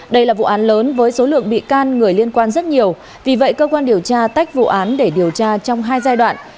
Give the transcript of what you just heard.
đây là vụ án lớn với số lượng bị can người liên quan rất nhiều vì vậy cơ quan điều tra tách vụ án để điều tra trong hai giai đoạn